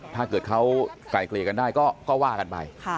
ถ้าเกิดเขาไกลเกลี่ยกันได้ก็ว่ากันไป